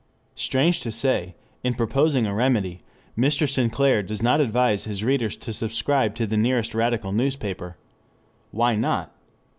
Strange to say, in proposing a remedy Mr. Sinclair does not advise his readers to subscribe to the nearest radical newspaper. Why not?